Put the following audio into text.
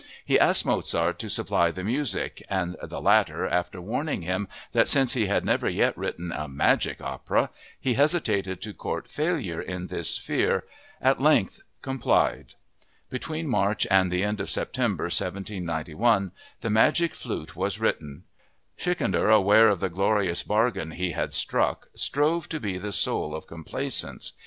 He asked Mozart to supply the music, and the latter, after warning him that since he had never yet written a "magic opera" he hesitated to court failure in this sphere, at length complied. Between March and the end of September 1791, The Magic Flute was written. Schikaneder, aware of the glorious bargain he had struck, strove to be the soul of complaisance.